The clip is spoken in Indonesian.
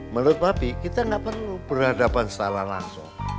menurut babi kita gak perlu berhadapan secara langsung